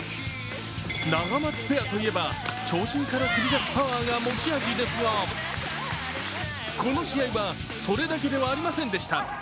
ナガマツペアといえば長身から繰り出すパワーが持ち味ですがこの試合はそれだけではありませんでした。